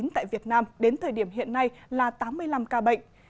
tại việt nam đến thời điểm hiện nay là tám mươi năm ca bệnh